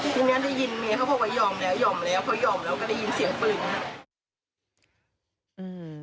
ทีนี้ได้ยินเมียเขาบอกว่ายอมแล้วยอมแล้วเขายอมแล้วก็ได้ยินเสียงปืนนะครับ